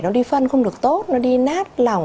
nó đi phân không được tốt nó đi nát lòng